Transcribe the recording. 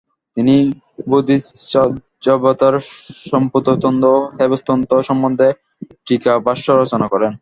তিনি বোধিচর্যাবতার, সম্পুততন্ত্র ও হেবজ্র তন্ত্র সম্বন্ধে টীকাভাষ্য রচনা করেন।